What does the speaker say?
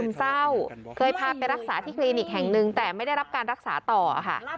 เศร้าเคยพาไปรักษาที่คลินิกแห่งหนึ่งแต่ไม่ได้รับการรักษาต่อค่ะ